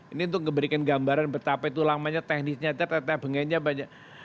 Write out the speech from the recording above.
ini untuk ngeberikan gambaran betapa itu lamanya teknisnya tetap tetap pengennya banyak